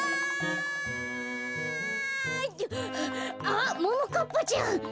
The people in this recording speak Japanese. あっももかっぱちゃん！